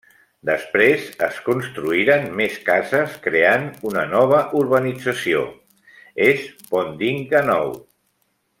Després es construïren més cases creant una nova urbanització, es Pont d'Inca nou.